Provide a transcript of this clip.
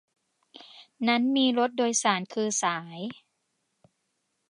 นั้นมีรถโดยสารคือสาย